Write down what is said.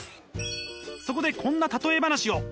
そこでこんな例え話を。